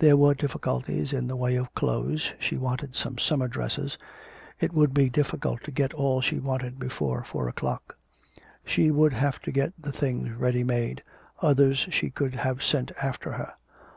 There were difficulties in the way of clothes, she wanted some summer dresses. It would be difficult to get all she wanted before four o'clock. She would have to get the things ready made, others she could have sent after her.